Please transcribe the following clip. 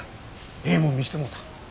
ええもん見してもろた。